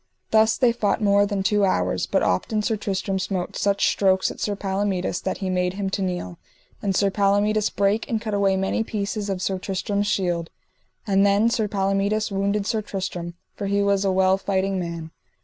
Thus they fought more than two hours, but often Sir Tristram smote such strokes at Sir Palomides that he made him to kneel; and Sir Palomides brake and cut away many pieces of Sir Tristram's shield; and then Sir Palomides wounded Sir Tristram, for he was a well fighting man.